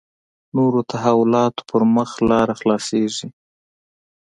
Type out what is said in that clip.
نورو تحولاتو پر مخ لاره خلاصېږي.